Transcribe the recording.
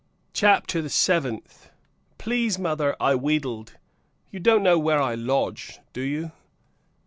CHAPTER THE SEVENTH. "Please, mother," I wheedled, "you don't know where I lodge, do you?"